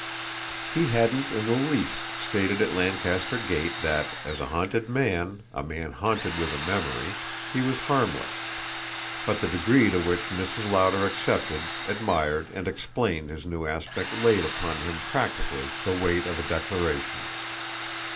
He hadn't in the least stated at Lancaster Gate that, as a haunted man a man haunted with a memory he was harmless; but the degree to which Mrs. Lowder accepted, admired and explained his new aspect laid upon him practically the weight of a declaration.